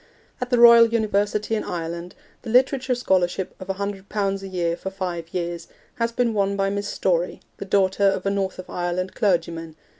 At the Royal University in Ireland, the Literature Scholarship of 100 pounds a year for five years has been won by Miss Story, the daughter of a North of Ireland clergyman.